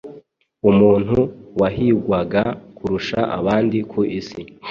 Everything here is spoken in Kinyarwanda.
Umuntu wahigwaga kurusha abandi ku isi,